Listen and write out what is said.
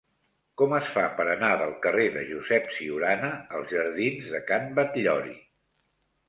Com es fa per anar del carrer de Josep Ciurana als jardins de Can Batllori?